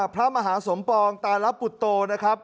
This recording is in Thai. พระมหาสมปองตาลปุตโตนะครับ